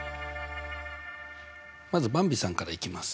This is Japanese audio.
まずばんびさんからいきます。